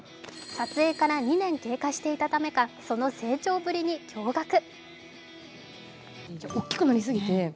撮影から２年経過していたためか、その成長ぶりに驚がく。